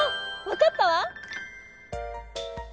わかったわ！